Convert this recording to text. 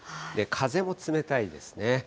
風も冷たいですね。